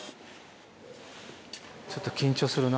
ちょっと緊張するな。